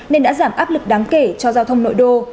nên đã giảm áp lực đáng kể cho giao thông nội đô